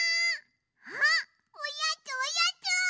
あっおやつおやつ！